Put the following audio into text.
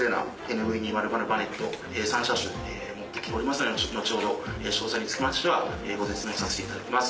ＮＶ２００バネット３車種持ってきておりますので後ほど詳細につきましてはご説明させていただきます。